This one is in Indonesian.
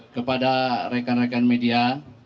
kepada rekan rekan media